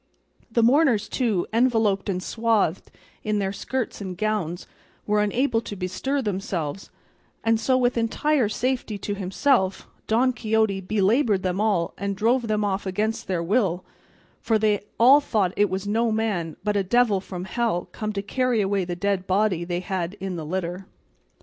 The mourners, too, enveloped and swathed in their skirts and gowns, were unable to bestir themselves, and so with entire safety to himself Don Quixote belaboured them all and drove them off against their will, for they all thought it was no man but a devil from hell come to carry away the dead body they had in the litter.